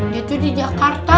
dia tuh di jakarta